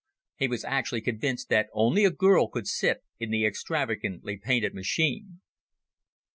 He was actually convinced that only a girl could sit in the extravagantly painted machine.